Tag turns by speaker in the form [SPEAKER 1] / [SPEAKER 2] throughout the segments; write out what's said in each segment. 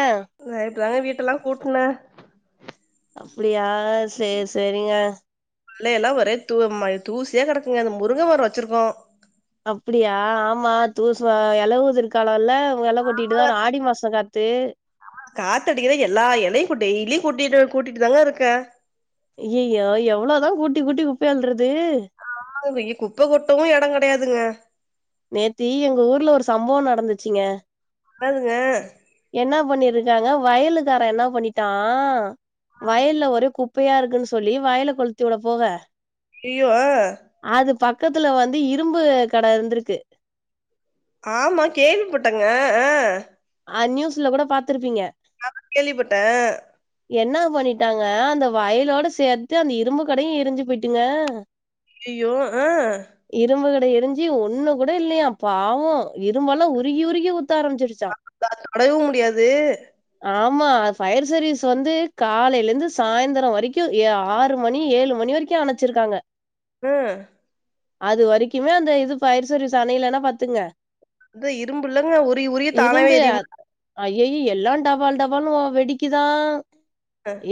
[SPEAKER 1] ஆ
[SPEAKER 2] சயத்துதா வீட்டெல்லா கூட்னே
[SPEAKER 1] அப்டியா சேர் செரிங்க
[SPEAKER 2] உள்ள எல்லா ஒரே தூ ம தூசியா கெடக்குங்க அந்த முருங்க மரோ வச்சிருக்கோ
[SPEAKER 1] அப்டியா ஆமா தூசு வ எலவுதிர்காலோல்ல எல கொட்டிட்டுதாரு ஆடி மாசோ காத்து
[SPEAKER 2] காத்தடிக்கத எல்லா எலையு இப்ப டெய்லியு கூட்டிட்டு கூட்டிட்டு தாங்க இருக்க
[SPEAKER 1] அய்யயோ எவ்ளோதா கூட்டி கூட்டி குப்பை அள்றது
[SPEAKER 2] ஆகுமே இங்க குப்ப கொட்டவு எடங் கெடையாதுங்க
[SPEAKER 1] நேத்தீ எங்க ஊர்ல ஒரு சம்பவோ நடந்துச்சிங்க
[SPEAKER 2] அதாவுதுங்க
[SPEAKER 1] என்னா பண்ணிருக்காங்க வயலுக்காரே என்னா பண்ணிட்டா வயல்ல ஒரே குப் குப்பையா இருக்குன்னு சொல்லி வயல கொளுத்தி விடப் போக
[SPEAKER 2] ஐயோ ஆ
[SPEAKER 1] அது பக்கத்துல வந்து இரும்பு கட இருந்துருக்கு
[SPEAKER 2] ஆமா கேள்விப்பட்டங்க ஆ
[SPEAKER 1] ஆ நியூஸ்ல கூட பாத்துருப்பீங்க
[SPEAKER 2] நானு கேள்விப்பட்டே
[SPEAKER 1] என்னா பண்ணிட்டாங்க அந்த வயலோட சேர்த்து அந்த இரும்பு கடையு எரிஞ்சு பொய்ட்டுங்க
[SPEAKER 2] இய்யோ ஆஹ்
[SPEAKER 1] இரும்புகட எரிஞ்சி ஒண்ணு கூட இல்லையா பாவோ இரும்பாலா உருகி உருகி ஊத்த ஆரம்பிச்சிருச்சா
[SPEAKER 2] [unintelligible] முடியாது
[SPEAKER 1] ஆமா ஃபயர் சர்வீஸ் வந்து காலையிலேந்து சாய்ந்தரோ வரைக்கு எ ஆறு மணி ஏழு மணி வரைக் கி அனச்சிருக்காங்க
[SPEAKER 2] ம்
[SPEAKER 1] அது வரைக்குமே அந்த இது ஃபயர் சர்வீஸ் அணையெலேனா பாத்துக்ங்க
[SPEAKER 2] அதா இரும்புல்லங்க உருகி உருகி
[SPEAKER 1] இரும்பு அத் அய்யயெ எல்லா டபால் டபால்னு ஒ வெடிக்கிதா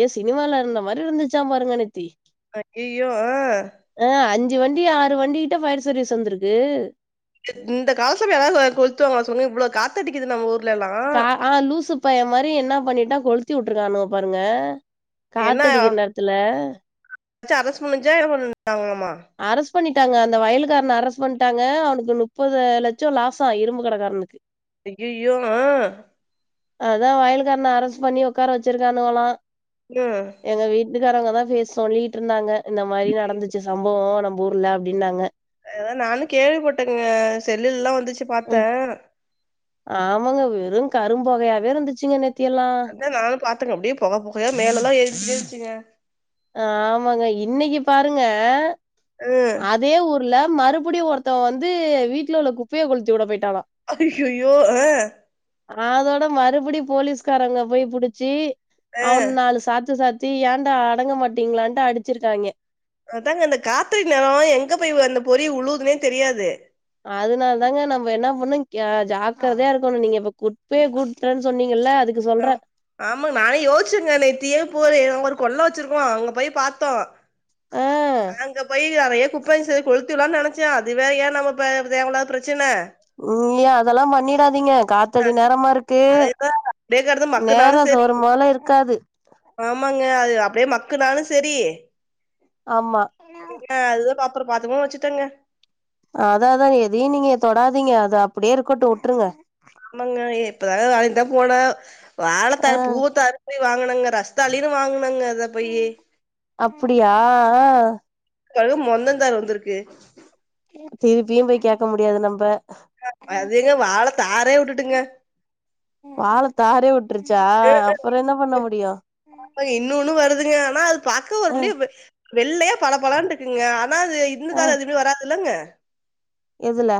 [SPEAKER 1] ஏஸ் சினிமால இருந்த மாரி இருந்துச்சா பாருங்க நேத்தி
[SPEAKER 2] அய்யயோ ஆ
[SPEAKER 1] ஆ அஞ்சி வண்டி ஆறு வண்டி கிட்ட ஃபயர் சர்வீஸ் வந்துருக்கு
[SPEAKER 2] இந்த காலத்துல யாராவது வ கொளுத்துவாங்கா சொன்னு இவ்ளோ காத்தடிக்கிது நம்ம ஊர்லைலா
[SPEAKER 1] ஆனா லூசு பையெ மாரி என்னா பண்ணிட்டா கொளுத்தி உட்ருக்கானுவ பாருங்க காத்தடிக்கிற நேர த்துல
[SPEAKER 2] ச்சி அரஸ் பண்ணுச்சா என்ன பண் ணாங்களாமா
[SPEAKER 1] அரஸ் பண்ணிட்டாங்க அந்த வயலுகாரன அரஸ் பண்ட்டாங்க அவனுக்கு நுப்பது லட்ச லாஸா இரும்பு கடகாரனுக்கு
[SPEAKER 2] அய்யய்யோ அ
[SPEAKER 1] அதா வயலுக்காரன அரஸ் பண்ணி ஒக்கார வச்சிருக்கானுவோலா
[SPEAKER 2] ம்
[SPEAKER 1] எங்க வீட்டுக்காரவங்கதா பே சொல்லிட்ருந்தாங்க இந்த மாரி நடந்துச்சு சம்பவ நம்ப ஊர்ல அப்டின்னாங்க
[SPEAKER 2] அதா நானு கேள்விப்பட்டங்க செல்லுல்லா வந்துச்சு பாத்த
[SPEAKER 1] ம் ஆமாங்க வெறு கரும்பொகையாவே இருந்துச்சுங்க நேத்தியெல்லா
[SPEAKER 2] அதா நானு பாத்தங்க அப்டியே பொக பொகயா மேலெல்லா ஏறிட்டே இருஞ்ச்சுங்க
[SPEAKER 1] ஆமாங்க இன்னைக்கு பாருங்க
[SPEAKER 2] ஆ
[SPEAKER 1] அ தே ஊர்ல மறுபுடியு ஒருத்தவ வந்து வீட்ல உள்ள குப்பைய கொளுத்தியுட போய்ட்டானா
[SPEAKER 2] அய்யய்யோ அ
[SPEAKER 1] அதோட மறுபடி போலீஸ்காரங்க போய் புடிச்சி
[SPEAKER 2] ஆ
[SPEAKER 1] அவன நாலு சாத்து சாத்தி ஏண்டா அடங்க மாட்டிங்களான்ட்டு அடிச்சிருக்காங்க
[SPEAKER 2] அதாங்க அந்த காத்தடி நேர எங்க போய் அந்த பொறி உழுவுதுனே தெரியாது
[SPEAKER 1] அதுனால தாங்க நம்ப என்ன பண்ணு அ ஜாக்கரதையா இருக்கணு நீங்க இப்ப குப்பைய கூட்றன் சொன்னிங்கல்ல அதுக்
[SPEAKER 2] அ ஆமா நானே யோசிச்சங்க நேத்தி போற ஒரு கொள்ள வெச்சிருக்கோ அங்க போய் பாத்தோ
[SPEAKER 1] ஆ
[SPEAKER 2] அங்க போயி நெறைய குப்பை இருந்ச்சு அத கொளுத்திவுடலானு நெனச்சே அதுவேற ஏ நம்ம ப தேவல்லாத பிரச்சனை
[SPEAKER 1] ம் அதெல்லா பண்ணிடாதிங்க காத்தடி நேரமாருக்கு
[SPEAKER 2] அதுதா அப்டியே கெடந்து
[SPEAKER 1] நேர
[SPEAKER 2] மக்குனாலு செரி
[SPEAKER 1] சோறும் போல இருக்காது
[SPEAKER 2] ஆமாங்க அது அப்டியே மக்குனாலு செரி
[SPEAKER 1] ஆமா
[SPEAKER 2] என்ன அதுதா பாத்துருக்கோ அதுவு வெச்சுட்டங்க
[SPEAKER 1] அதா அதாங்க எதையு நீங்க தொடாதிங்க அது அப்பிடியே இருக்கட்டு உட்ருங்க
[SPEAKER 2] ஆமங்க இப்பதா அதுக்குத்தா போன
[SPEAKER 1] ஆ
[SPEAKER 2] வாழத்தாரு பூவத்தாரு போய் வாங்குனங்க ரஸ்தாலினு வாங்குனங்க அத போயி
[SPEAKER 1] அப்புடியா அ
[SPEAKER 2] பாருங்க மொந்தந்தார் வந்துருக்கு
[SPEAKER 1] திருப்பியு போய் கேக்க முடியாது நம்ப
[SPEAKER 2] அது எங்க வாழை தாரே உட்டுட்டுங்க
[SPEAKER 1] வாழத்தாரே உட்ருச்சா அப்பற என்ன பண்ண முடியு
[SPEAKER 2] ஆமா இன்னொன்னு வருதுங்க ஆனா அது பாக்க ஒரு
[SPEAKER 1] அ
[SPEAKER 2] முடிய வெ வெள்ளையா பளபளன்டு இருக்குங்க ஆனா அது இந்த
[SPEAKER 1] அ
[SPEAKER 2] தாரு அதுமே வராதுல்லங்க
[SPEAKER 1] எதுல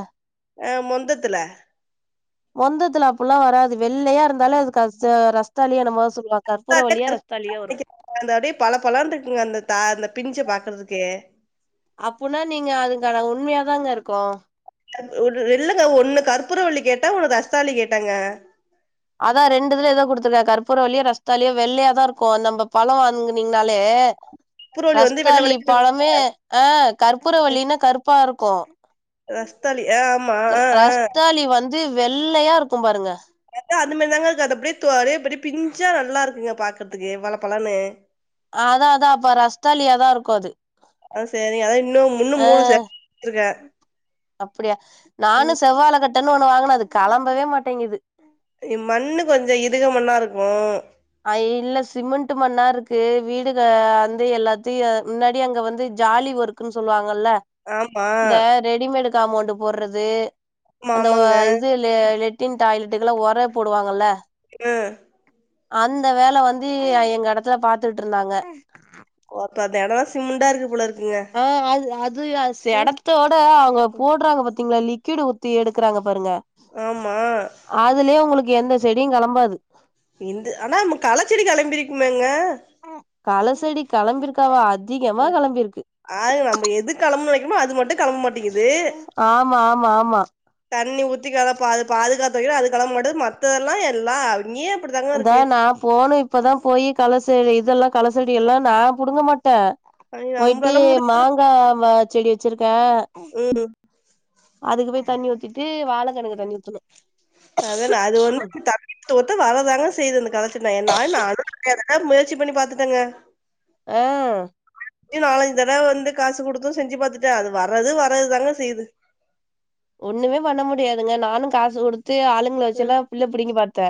[SPEAKER 2] அ மொந்தத்துல
[SPEAKER 1] மொந்தத்துல அப்புல்லா வராது வெள்ளையா இருந்தாலே அதுக்க ரஸ்தாலியோ என்னமோதா சொல்வாங்க
[SPEAKER 2] அப்டியே
[SPEAKER 1] கற்பூரவல்லியோ
[SPEAKER 2] கருப்பு
[SPEAKER 1] ரஸ்தாலியோ வரு
[SPEAKER 2] நினைக்கிறாங்க. அந்த அப்டியே பளபளன்ருக்குங்க அந்த தார் அந்த பிஞ்ச பாக்கறதுக்கே
[SPEAKER 1] அப்புனா நீங்க அதுகான உண்மையாதாங்க இருக்கு
[SPEAKER 2] இல்லங்க ஒன்னு கற்பூரவல்லி கேட்ட ஒன்னு ரஸ்தாலி கேட்டங்க
[SPEAKER 1] அதா ரெண்டிதுல எதோ குடுத்துருக்க கற்பூர வல்லியோ ரஸ்தாலியோ வெள்ளையாதா இருக்கு நம்ப பழோ வாங்குனிங்கனாலே
[SPEAKER 2] கற்பூரவள்ளி வந்து வெள்ள
[SPEAKER 1] ரஸ்தாலி
[SPEAKER 2] வெள்ளேன்னு இருக்கும்.
[SPEAKER 1] பழமே ஆ கற்பூர வல்லினா கறுப்பா இருக்கு
[SPEAKER 2] ரஸ்தாலி ஆ ஆமா ஆ ஆ
[SPEAKER 1] இது வெள்ளையா இருக்கும் பாருங்க
[SPEAKER 2] அது அத மாரி தாங்க இருக்கு அது அப்டியே தோ அப்படியே பிஞ்சா நல்லா இருக்குங்க பாக்கறதுக்கு பல பலன்னு
[SPEAKER 1] ஆ அதா அதா அப்ப ரஸ்தாலியாதா இருக்கு அது
[SPEAKER 2] ஆ செரிங்க அதா இன்னு மூண்ணு
[SPEAKER 1] ஆ
[SPEAKER 2] மூணு சே வச்சிருக்கே
[SPEAKER 1] அப்டியா நானு செவ்வாழ கட்டன்னு ஒண்ணு வாங்கன அது களம்பவே மாட்டேங்குது
[SPEAKER 2] இ மண்ணு கொஞ்ச இதுக மண்ணா இருக்கு
[SPEAKER 1] ஆ இல்ல சிமெண்ட்டு மண்ணா இருக்கு வீடு ஆ வந்து எல்லாத்தையு முன்னாடி அங்க வந்து ஜாலி ஒர்க் குன்னு சொல்லுவாங்கல்ல
[SPEAKER 2] ஆமா
[SPEAKER 1] இந்த ரெடிமேடு காமௌண்டு போட்றது
[SPEAKER 2] ஆமா
[SPEAKER 1] அந்த
[SPEAKER 2] ஆமாங்க
[SPEAKER 1] இது லெ லெட்டின் டாய்லெட்டுக்கெல்லா ஒர போடுவாங்கல்ல
[SPEAKER 2] ஆ
[SPEAKER 1] அந்த வேல வந்து எங்க எடத்துல பாத்துட்டு இருந்தாங்க
[SPEAKER 2] ஓ அப்ப அந்த எடோலா சிமெண்டா இருக்கு போல இருக்குங்க
[SPEAKER 1] ஆ அது அது ச
[SPEAKER 2] ம்
[SPEAKER 1] எடத்தோட அவுங்க போடுறாங்க பாத்தீங்களா லிக்யூடு் ஊத்தி எடுக்கறாங்க பாருங்க
[SPEAKER 2] ஆமா
[SPEAKER 1] அதுலயே உங்களுக்கு எந்த செடியு களம்பாது
[SPEAKER 2] இந்த ஆனா நம்ம களச்செடி களம்பிருக்கிருமேங்க
[SPEAKER 1] கள செடி களம்பிருக்காவா அதிகமா களம்பிருக்கு
[SPEAKER 2] அது நம்ம எது களம்புணுன்னு நெனைக்கிறமோ அது மட்டு கெளம்ப மாட்டேங்குது
[SPEAKER 1] ஆமா ஆமா ஆமா
[SPEAKER 2] தண்ணி ஊத்தி அத பா அத பாதுகாத்து வக்கிற அது களம்பமாட்டுது மத்ததெல்லா எல்லா அவிங்க
[SPEAKER 1] இந்தா நா போனு இப்பதா போய் கள செடி இதெல்லா கள செடி எல்லா நா புடுங்க மாட்ட
[SPEAKER 2] ஐயோ
[SPEAKER 1] போயிட்டு
[SPEAKER 2] நம்பளால முடி
[SPEAKER 1] மாங்கா வ செடி வெச்சிருக்க
[SPEAKER 2] ம்
[SPEAKER 1] அதுக்கு போய் தண்ணி ஊத்திட்டு வாழகண்ணுக்கு தண்ணி ஊத்துணே
[SPEAKER 2] அதான அது வந்து த தொத்த வர தாங்க செய்து அந்த களச்செடி நானு என்னாலு நா நெறைய தர முயற்சி பண்ணி பாத்துட்டேங்க
[SPEAKER 1] ஆ
[SPEAKER 2] [inaudible] நாலஞ்சு தடவ வந்து காசு குடுத்து செஞ்சு பாத்துட்ட அது வர்றது வர்றது தாங்க செய்யுது
[SPEAKER 1] ஒண்ணுமே பண்ண முடியாதுங்க நானு காசு குடுத்து ஆளுங்கள
[SPEAKER 2] ம்
[SPEAKER 1] வச்சில்லா புல்ல புடிங்கி பாத்த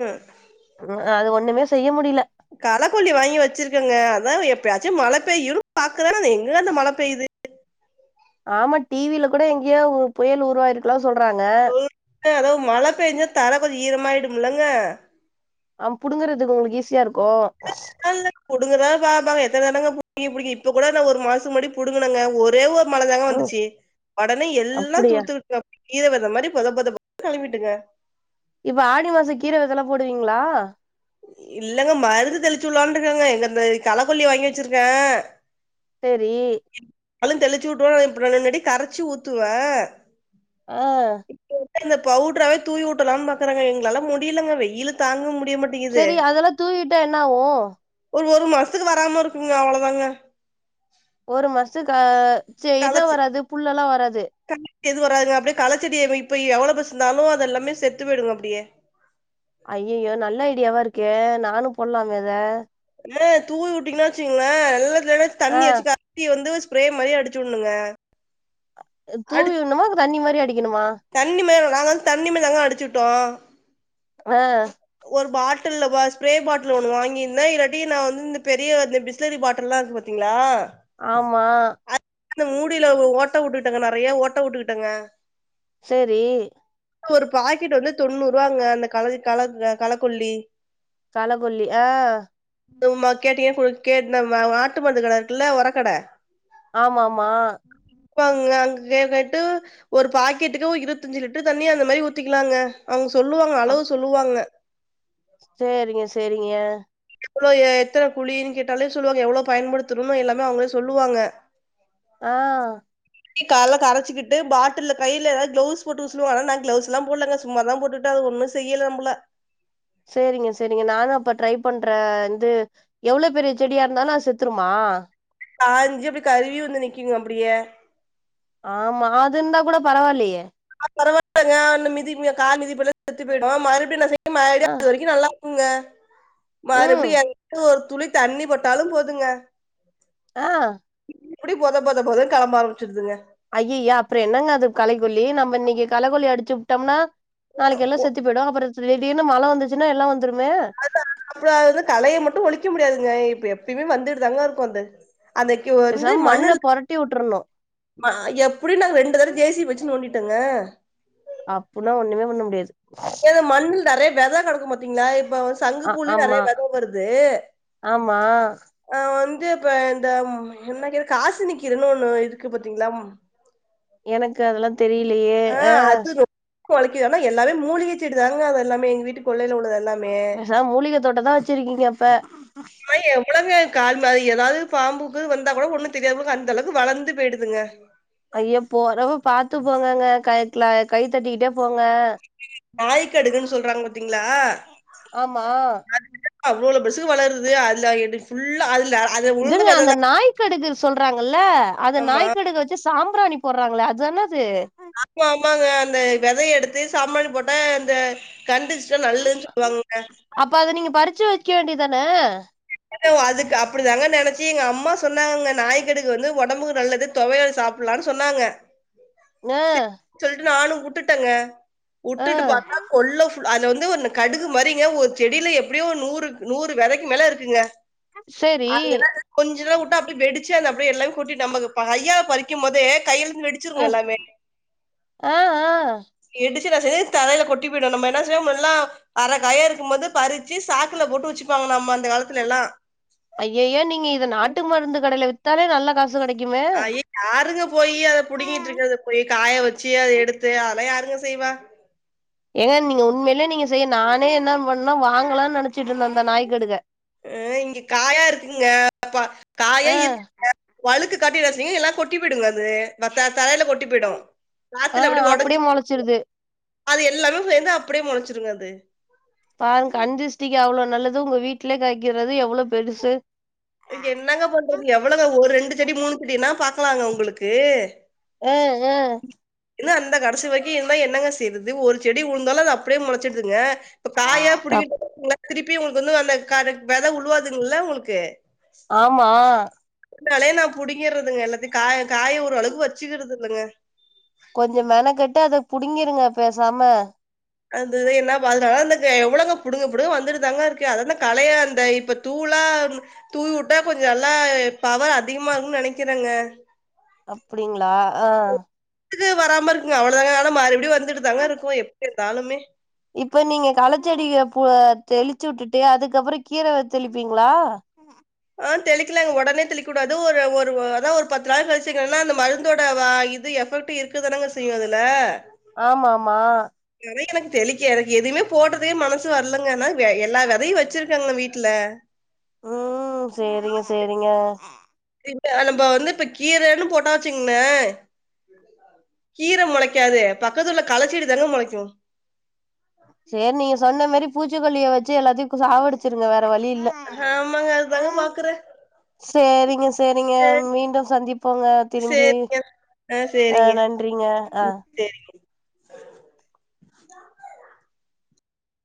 [SPEAKER 2] ம்
[SPEAKER 1] அது ஒன்னுமே செய்ய முடில
[SPEAKER 2] களக்கொல்லி வாங்கி வச்சிருக்கங்க அதா எப்பயாச்சு மழ பெய்யுனு பாக்குற ஆனா அது எங்கங்க அந்த மழ பெய்யுது
[SPEAKER 1] ஆமா டிவில கூட எங்கேயோ புயல் உருவாயிருக்கலா சொல்றாங்க
[SPEAKER 2] [inaudible] அதா மழ பெஞ்சா தர கொஞ்ச ஈரமாயுடும்லங்க
[SPEAKER 1] ஆ புடுங்கறதுக்கு உங்களுக்கு ஈஸியா இருக்கு
[SPEAKER 2] [inaudible] புடுங்கதா பாப்பங்க எத்தன தடவங்க புடுங்கி புடிங்கி இப்ப கூட ஒரு மாச முன்னாடி புடுங்கனுங்க ஒரே ஒரு மழ தாங்க
[SPEAKER 1] ம்
[SPEAKER 2] வந்துச்சு ஒடனே எல்லா
[SPEAKER 1] அப்டியா
[SPEAKER 2] துளுத்துக்குட்டுங்க கீர வெத மாரி பொத பொதனு கெளம்பிட்டுங்க
[SPEAKER 1] இப்ப ஆடி மாச கீர வெதல்லா போடுவீங்களா
[SPEAKER 2] இல்லங்க மருந்து தெளிச்சு உள்ளான்னுட்டு இருக்கங்க எங்க அந்த களக்கொல்லி வாங்கி வெச்சிருக்கே
[SPEAKER 1] செரி
[SPEAKER 2] அளும் தெளிச்சி வுட்டுவ இப்ப நா முன்னாடி கரைச்சி ஊத்துவ
[SPEAKER 1] ஆ
[SPEAKER 2] இப்ப வந்து இந்த பவுட்ராவே தூவி உட்ருலானு பாக்குறாங்க எங்களால முடியலங்க வெயிலு தாங்க முடியமாட்
[SPEAKER 1] சரி அதெல்லா தூவிவிட்டா என்னாவு
[SPEAKER 2] ஒரு ஒரு மாச்த்துக்கு வராம இருக்குங்க அவ்ளோதாங்க
[SPEAKER 1] ஒரு மாச்த்துக்கு செரி எத
[SPEAKER 2] களைச்சு
[SPEAKER 1] வராது புல் எல்லா வராது
[SPEAKER 2] எது வராதுங்க அப்டியே களைச்சடி இப்ப எவ்ள பெர்சு இர்ந்தாலு அதெல்லாமே செத்து போயிடுங்க அப்டியே
[SPEAKER 1] ஐய்யய்யோ நல்ல ஐடியாவா இருக்கே நானு போட்லாங்க இத
[SPEAKER 2] ஏ தூவி விட்டீங்னா வச்சுங்ளே நல்லதுல
[SPEAKER 1] ஆ
[SPEAKER 2] தண்ணி வச்சுக்க குட்டி வந்து ஸ்ப்ரே மாரி அடிச்சு வுட்னுங்க
[SPEAKER 1] தூவி விட்ணுமா தண்ணி மாரி அடிக்கிணுமா
[SPEAKER 2] தண்ணி மேர்த நாங்க வந்து தண்ணி மேர்தாங்க அடிச்சுவிட்டோ
[SPEAKER 1] ஆ
[SPEAKER 2] ஒரு பாட்டில்ல ப ஸ்ப்ரே பாட்டில் ஒன்னு வாங்கிந்தே இல்லாட்டி நா வந்து இந்த பெரிய வந்து பிஸ்லரி பாட்டில்லா இருக் பாத் திங்ளா
[SPEAKER 1] ஆமா
[SPEAKER 2] அந்த மூடில ஓட்ட வுட்டுட்டேங்க நறைய ஓட்ட வுட்டுகிட்டேங்க
[SPEAKER 1] சரி
[SPEAKER 2] அப்ற ஒரு பாக்கெட் வந்து தொண்ணூறுவாங்க அந்த கள க களக்கொல்லி
[SPEAKER 1] களக்கொல்லி ஆ
[SPEAKER 2] து மா கேட்டீங்க குடு கேட்ன மா நாட்டு மருந்து கட இருக்குல்ல உர கட
[SPEAKER 1] ஆமமா
[SPEAKER 2] விப்பாங்கக அங்க கே கேட்டு ஒரு பாக்கெட்டுக்கு ஒர் இர்வத்தஞ்சு லிட்டர் தண்ணியா அந்த மாரி ஊத்திக்கிலாங்க அவுங்க சொல்லுவாங்க
[SPEAKER 1] அப்
[SPEAKER 2] அளவு சொல்லுவாங்க
[SPEAKER 1] சேரிங்க செரிங்க
[SPEAKER 2] எவ்ளோ எத்தன குழின் கேட்டாலே சொல்லுவங்க எவ்ளோ பயன்படுத்தணுனு எல்லாமே அவுங்ளே சொல்லுவாங்க
[SPEAKER 1] ஆ
[SPEAKER 2] இப்டி கால்ல கரைச்சிகிட்டு பாட்டில்ல கைல ஏதாது க்ளவுஸ் போட்டுக சொல்வாங் நா கிளவுஸ் லா போட்லங்க சும்மாதா போட்டுட் ட அது ஒண்ணு செய்யல நம்புள
[SPEAKER 1] சேரிங்க சேரிங்க நானு அப்ப ட்ரை பண்ற வந்து எவ்ளோ பெரிய செடியா இருந்தாலு அது செத்துருமா
[SPEAKER 2] காஞ்சு அப்டி கருவி வந்து நிக்குங்க அப்டியே
[SPEAKER 1] ஆமா அதிந்தா கூட பரவால்லயே
[SPEAKER 2] அ பரவால்லங்க அன மிதி கால் மிதிப்பட்ல செத்து போய்டு மறுபிடியு ன்ன செய்யு மறுடியு
[SPEAKER 1] ஆ
[SPEAKER 2] அது வரிக்கு நல்லா குங்க மறுபுடி
[SPEAKER 1] ம்
[SPEAKER 2] எங்க ஒரு துளி தண்ணி பட்டாலு போதுங்க
[SPEAKER 1] ஆ
[SPEAKER 2] இப்டி போத போத பொதன் கிளம்ப ஆரம்பிச்சுருதுங்க
[SPEAKER 1] அய்யய்ய அப்ற என்னங்க அது களைக்கொல்லி நம்ம இன்னிக்கி களக்கொல்லி அடிச்சுப்டம்னா நாளைக்கு எல்லா செத்து போய்டு அப்ற திடீர்னு மழ வந்துச்சுனா எல்லா வந்துருமே
[SPEAKER 2] நம்புளு அது வந்து களைய மட்டு ஒழிக்க முடியாதுங்க இப்ப எப்புயுமே வந்துட்டு தாங்க இருக்கு அந்த அந்த
[SPEAKER 1] பெச்சாம மண்ண பொரட்டி வுட்ர்ருணு
[SPEAKER 2] ம எப்டி நாங்க ரெண்டு தடவ ஜே சி பி வச்சு நோண்டிடெங்க
[SPEAKER 1] அப்புனா ஒண்ணுமே பண்ண முடியாது
[SPEAKER 2] இதுல மண்ணில் நறைய வெத கெடக்கு பாத்தீங்ளா இப்ப
[SPEAKER 1] ஆ
[SPEAKER 2] சங்குப்பூலே நறைய
[SPEAKER 1] ஆமா
[SPEAKER 2] வெத வருது
[SPEAKER 1] ஆமா
[SPEAKER 2] ஆ வந்து இப்ப இந்த என்ன கே காசினிகீரணு ஒன்னு இருக்கு பாத்தீங்ளா
[SPEAKER 1] எனக்கு அதுலா தெரியிலியே ஆ
[SPEAKER 2] இப்ப ஒழைக்கிது ஆன எல்லாமே மூலிக செடி தாங்க அது எல்லாமே எங் வீட்டு கொல்லைல உள்ளது எல்லாமே
[SPEAKER 1] பெசா மூலிக தோட்டந்தா வச்சிருக்கீங்க அப்ப
[SPEAKER 2] மாரி எவ்வளங்க கால் மாரி ஏதாவது பாம்புக்கு வந்தா கூட ஒண்ணு தெரியாமங்க அந்த அளவுக்கு வளந்து பெய்டுதுங்க
[SPEAKER 1] ஐயா போறப்ப பாத்து போங்கங்க கை க கை தட்டிட்டே போங்க
[SPEAKER 2] [inaudible] நாய் கடுகுன்னு சொல்றாங்க பாத்தீங்களா
[SPEAKER 1] ஆமா
[SPEAKER 2] [unintelligible] அவ்ளோல பெசுக்கு வளருது அதுல எடு ஃபுல்லா அதுல்ல அது உளுந்த
[SPEAKER 1] இதுங்க அந்த
[SPEAKER 2] வெததான்
[SPEAKER 1] நாய் கடுகு சொல்றாங்கல்ல அந்த
[SPEAKER 2] ஆமா
[SPEAKER 1] நாய் கடுகு வச் இது சாம்பராணி போடுறாங்கள அதான அது
[SPEAKER 2] ஆமா ஆமாங்க அந்த விதய எடுத்து சாம்பராணி போட்டா அந்த கண்திஷ் ல்ல நல்லதுன்னு சொல்லுவாங்கங்க
[SPEAKER 1] அப்ப அத நீங்க பறிச்சு வைக்க வேண்டியதான
[SPEAKER 2] அதுக்கு அப்டிதாங்க நெனைச்சி எங்க அம்மா சொன்னாங்க நாய்கடுகு வந்து உடம்புக்கு நல்லது தொவையல் சாப்புட்லானு சொன்னாங்க
[SPEAKER 1] ஆ
[SPEAKER 2] சரின்னு சொல்ட்டு நானு வுட்டுட்டங்க
[SPEAKER 1] ஆ
[SPEAKER 2] வுட்டுட்டு பாத்தா கொள்ள ஃபுல் அதுல வந்து ஒன்னு கடுகு மாரிங்க ஒரு செடியில எப்டியோ ஒரு நூறு நூறு விதைக்கு மேல இருக்கு ங்க
[SPEAKER 1] சேரி
[SPEAKER 2] அது என்னாது கொஞ்சலா வுட்டா அப்டியே வெடிச்சு அது அப்டியே எல்லாமே கொட்டிட்டு நமக்கு இப்ப ஐயாவ பறிக்கும் போது கைல்ல இருந்து வெடி ச்சிருங்க
[SPEAKER 1] ஆ
[SPEAKER 2] எல்லாமே
[SPEAKER 1] ஆ ஆ
[SPEAKER 2] வெடிச்சு என்னா செய்யு தரைய்ல கொட்டி போய்டு நம்ம என்ன செய்யுல்லா அர காயா இருக்கும் போது பறிச்சு சாக்குல்ல போட்டு வச்சுப்பாங்க நம்ம அந்த காலத்துல எல்லா
[SPEAKER 1] ஐய்யயோ நீங்க இத நாட்டு மருந்து கடைல வித்தாலே நல்லா காசு கிடைக்குமே
[SPEAKER 2] ஐய! யாருங்க போய் அத புடுங்கிட்டு இருக்குறது போய் காய வச்சு அத எடுத்து அதல்லா யாருங்க செய்வா
[SPEAKER 1] ஏங்க நீங்க உண்மையிலே நீங்க செய்ய நானே என்ன பண்ணா வாங்கலாம்னு நெனச்சிட்டு இருந்த அந்த நாய்க்கடுகுக
[SPEAKER 2] அ இங்க காயா இருக்குங்க ப்பா காயா
[SPEAKER 1] ஆ
[SPEAKER 2] இருக்குங்க வழுக்கு காட்டி என்ன செய்யுங்க எல்லா கொட்டி போய்டுங்க அது வ த்த தரையில கொட்டி விடும்
[SPEAKER 1] ஆ
[SPEAKER 2] காத்துள்ள அப்டி ஒடஞ்சு
[SPEAKER 1] அப்டியே
[SPEAKER 2] [unintelligible]
[SPEAKER 1] மொளச்சிருது
[SPEAKER 2] அது எல்லாமே சேந்து அப்டியே முளச்சுருங்க அது
[SPEAKER 1] பாருங்க கண் திருஷ்டிக்கு அவ்ளோ நல்லது உங்க வீட்லே காய்க்கறது எவ்ளோ பெருசு
[SPEAKER 2] என்னங்க பண்றது எவ்வளவு ஒரு ரெண்டு செடி மூணு செடினா பாக்குலாங்க உங்களுக்கு
[SPEAKER 1] அ அ
[SPEAKER 2] இன்னோ அந்த கடைசி வரைக்கு இருந்தா என்னங்க செய்றது ஒரு செடி உழுந்தாலு அது அப்டியே முளைச்சிடுதுங்க இப்ப
[SPEAKER 1] ஆ
[SPEAKER 2] காயா
[SPEAKER 1] தப்
[SPEAKER 2] புடிங்கிட்டு [unintelligible] திருப்பி உங்களுக்கு வந்து அந்த க வித உழுவாதுங்கல்ல உங்களுக்கு
[SPEAKER 1] ஆமா
[SPEAKER 2] அதுனாலயே நா புடிங்கறதுங்க எல்லாத்தையு காய காய் ஒரு அளவுக்கு வச்சுக்கிறது இல்லங்க
[SPEAKER 1] கொஞ்ச மெனக்கட்டு அத புடிங்கிருங்க பேசாம
[SPEAKER 2] அதுதா என்ன பா அதுனாலதா அந்த கே எவ்ளங்க புடுங்க புங்க வந்துட்டுதாங்க இருக்கு அதா களைய அந்த இப்ப தூளா ம் தூவி வுட்டா கொஞ்ச நல்லா அ பவர் அதிகமா இருக்குன்னு நெனைக்கிறங்க
[SPEAKER 1] அப்டிங்களா ஆ
[SPEAKER 2] துக்கு வராம இருக்குங்க அவ்ளதாங்க ஆனா மறுபடியு வந்துட்டு தாங்க இருக்கும் எப்டி இருந்தாலமே
[SPEAKER 1] இப்ப நீங்க களச்செடிய ப்ப தெளிச்சு வுட்டுட்டு அதுக்கப்ற கீர வ தெளிப்பீங்களா
[SPEAKER 2] ஆ தெளிக்கலாங்க உடனே தெளிக்கூடாது ஒரு ஒரு அதா ஒரு பத்து நாள் கழிச்சங்கனா அந்த மருந்தோட வ இது எஃபெக்ட் ட்டு இருக்கதானங்க செய்யு அதுல
[SPEAKER 1] ஆமா ஆமா
[SPEAKER 2] விதைய எனக்கு தெளிக்க எனக்கு எதுயுமே போட்றதுக்கே மனசு வரலங்க ஆனா எல்லா விதையு வச்சிருக்கங்க வீட்ல
[SPEAKER 1] ம் செரிங்க செரிங்க
[SPEAKER 2] இப்ப நம்ப வந்து இப்ப கீரன்னு போட்டா வச்சுங்ளே கீர மொளைக்காது பக்கத்து உள்ள களச்செடி தாங்க மொளைக்கு
[SPEAKER 1] செர் நீங்க சொன்ன மாரி பூச்சிக்கொல்லிய வச்சு எல்லாத்தையு சாவடிச்சுருங்க வேற வழி இல்ல
[SPEAKER 2] ஆமாங்க அதாங்க பாக்குற
[SPEAKER 1] சேரிங்க செரிங்க மீண்டும் சந்திப்போங்க திரும்பியு
[SPEAKER 2] சரிங்க.
[SPEAKER 1] ஆ நன்றிங்க ஆ
[SPEAKER 2] செரிங்க